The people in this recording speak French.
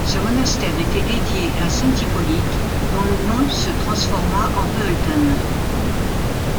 Ce monastère était dédié à saint Hippolyte dont le nom se transforma en Pölten.